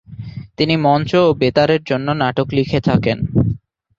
তিনি মঞ্চ ও বেতারের জন্য নাটক লিখে থাকেন।